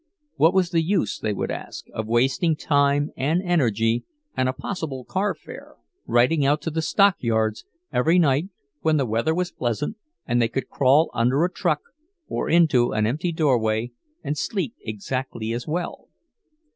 What was the use, they would ask, of wasting time and energy and a possible carfare riding out to the stockyards every night when the weather was pleasant and they could crawl under a truck or into an empty doorway and sleep exactly as well?